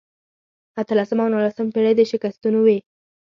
اتلسمه او نولسمه پېړۍ د شکستونو وې.